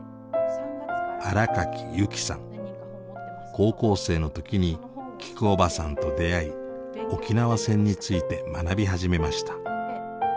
高校生の時にきくおばさんと出会い沖縄戦について学び始めました。